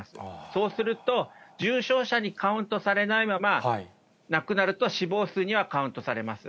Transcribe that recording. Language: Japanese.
そうすると、重症者にカウントされないまま、亡くなると、死亡数にはカウントされます。